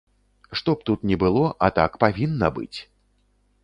Што б тут ні было, а так павінна быць!